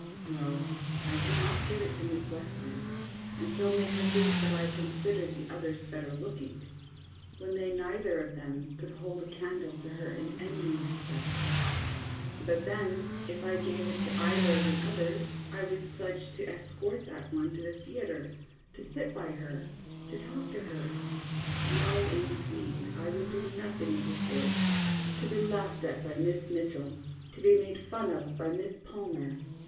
No, I could not give it to Miss Weston, and so make her think that I considered the others better looking, when they neither of them could hold a candle to her in any respect. But then, if I gave it THE JUDGMENT OF PARIS REVERSED. 73 to either of the others, I was pledged to escort that one to the theatre; to sit by her; to talk to her. No, indeed, I would do nothing of the sort, to be laughed at by Miss Mitchell, to be made fun of by Miss Palmer.